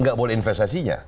tidak boleh investasinya